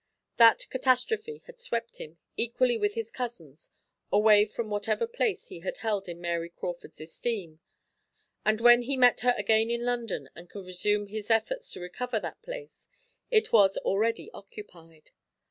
That catastrophe had swept him, equally with his cousins, away from whatever place he had held in Mary Crawford's esteem; and when he met her again in London, and could resume his efforts to recover that place, it was already occupied.